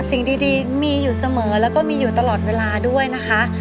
สิ่งดีมีอยู่เสมอแล้วก็มีอยู่ตลอดเวลาด้วยนะคะ